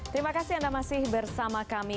terima kasih anda masih bersama kami